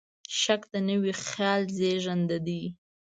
شک د نوي خیال زېږنده دی.